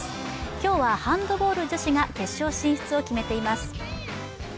今日はハンドボール女子が決勝進出を決めています。